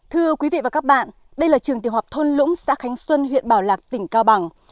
thưa quý vị và các bạn đây là trường tiểu học thôn lũng xã khánh xuân huyện bảo lạc tỉnh cao bằng